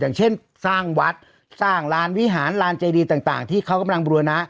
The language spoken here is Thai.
อย่างเช่นสร้างวัดสร้างลานวิหารลานเจดีต่างที่เขากำลังบูรณะ